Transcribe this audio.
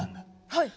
はい。